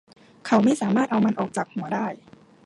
เขาไม่สามารถเอามันออกจากหัวได้